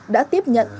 đã tiếp nhận